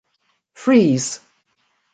Freeze!